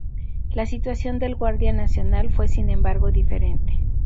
La situación del "Guardia Nacional" fue sin embargo diferente.